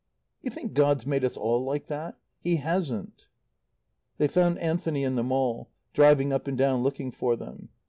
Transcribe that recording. "You think God's made us all like that? He hasn't." They found Anthony in the Mall, driving up and down, looking for them.